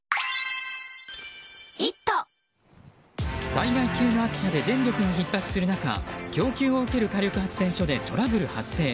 災害級の暑さで電力がひっ迫する中供給を受ける火力発電所でトラブル発生。